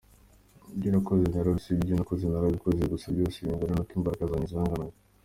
Ibyo ntakoze narasibye ibyo nakoze narabikoze gusa byose bingana nuko imbaraga zanjye zanganaga.